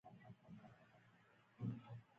د کنډوالې نوم پرې پوخ شوی وو.